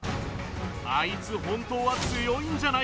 あいつ本当は強いんじゃないか？